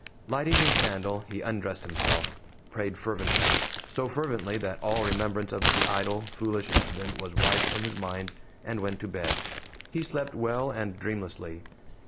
Lighting his candle, he undressed himself, prayed fervently so fervently that all remembrance of the idle, foolish incident was wiped from his mind, and went to bed. He slept well and dreamlessly.